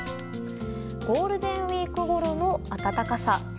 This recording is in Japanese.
ゴールデンウィークごろの暖かさ。